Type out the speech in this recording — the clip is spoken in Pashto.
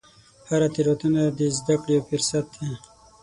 هره تېروتنه د زده کړې یو فرصت دی.